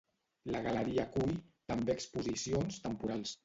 La Galeria acull també exposicions temporals.